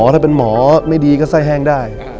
ถ้าเป็นหมอไม่ดีก็ด้วย